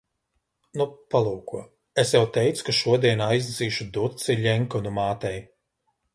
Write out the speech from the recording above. Nu, palūko. Es jau teicu, ka šodien aiznesīšu duci Ļenkanu mātei.